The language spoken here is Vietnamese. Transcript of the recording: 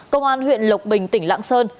công an huyện lộc bình tỉnh lạng sơn